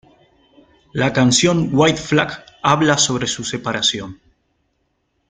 La canción "White Flag" habla sobre su separación.